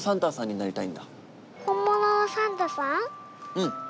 うん。